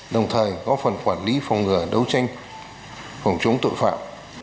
đồng thời có phần quản lý phòng ngờ đấu tranh phòng chống tội phạm